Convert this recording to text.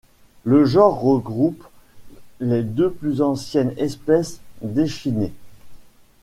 Le genre regroupe les deux plus anciennes espèces d'échidnés.